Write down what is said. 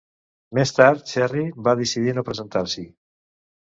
Més tard, Cherry va decidir no presentar-s'hi.